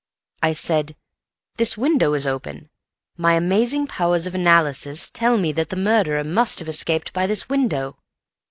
I said, 'This window is open. My amazing powers of analysis tell me that the murderer must have escaped by this window.